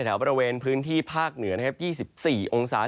แถวบริเวณพื้นที่ภาคเหนือนะครับ๒๔องศา